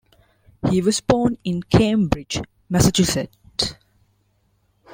He was born in Cambridge, Massachusetts.